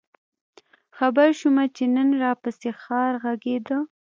خبـــــر شومه چې نن راپســـې ښار غـــــږېده؟